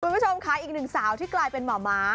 คุณผู้ชมค่ะอีกหนึ่งสาวที่กลายเป็นหมอม้า